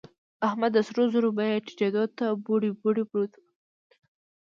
احمد د سرو زرو بيې ټيټېدو ته بوړۍ بوړۍ پروت دی.